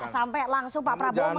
sampai langsung pak prabowo